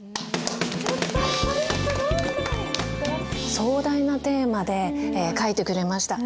壮大なテーマで書いてくれました。